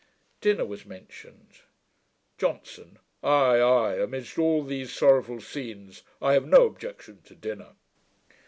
Dinner was mentioned. JOHNSON. 'Ay, ay; amidst all these sorrowful scenes, I have no objection to dinner.'